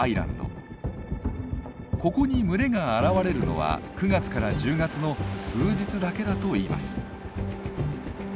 ここに群れが現れるのは９月から１０月の数日だけだといいます。